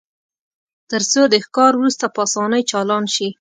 ترڅو د ښکار وروسته په اسانۍ چالان شي